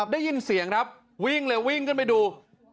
ได้ยินเสียงครับวิ่งเลยวิ่งขึ้นไปดู